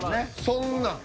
そんなん。